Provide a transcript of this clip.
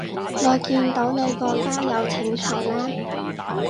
我見到你個加友請求啦